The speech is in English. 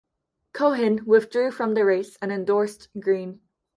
Cohen withdrew from the race and endorsed Green.